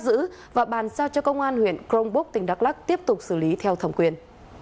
giữ và bàn sao cho công an huyện crong bốc tỉnh đắk lắk tiếp tục xử lý theo thẩm quyền